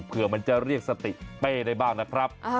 เผื่อมันจะเรียกสติเป้ได้บ้างนะครับ